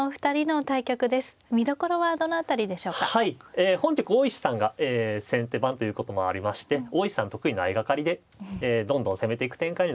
え本局大石さんが先手番ということもありまして大石さん得意の相掛かりでどんどん攻めていく展開になるかと思います。